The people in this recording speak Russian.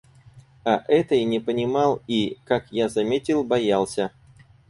А этой не понимал и, как я заметил, боялся.